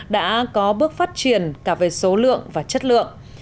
đã có bước phát triển cả về số lượng và chất lượng